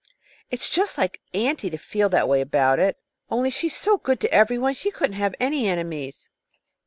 '_ It is just like auntie to feel that way about it, only she's so good to everybody she couldn't have any enemies."